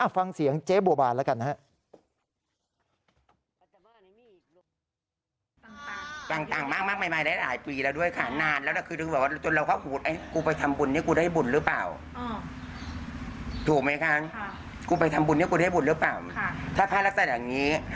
ฟังเสียงเจ๊บัวบานแล้วกันฮะ